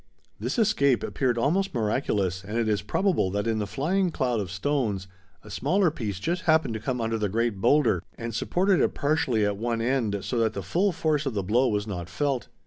This escape appeared almost miraculous and it is probable that in the flying cloud of stones a smaller piece just happened to come under the great boulder and supported it partially at one end so that the full force of the blow was not felt.